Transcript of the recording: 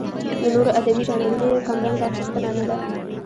له نورو ادبي ژانرونو یې کمرنګه اخیستنه نه ده.